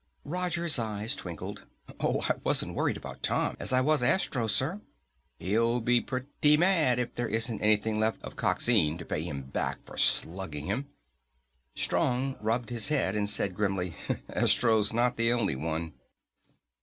Roger's eyes twinkled. "Oh, I wasn't so worried about Tom as I was Astro, sir. He'll be pretty mad if there isn't anything left of Coxine to pay him back for slugging him." Strong rubbed his head and said grimly, "Astro's not the only one!"